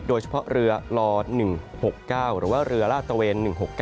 โดยเฉพาะเรือล๑๖๙หรือว่าเรือลาดตะเวน๑๖๙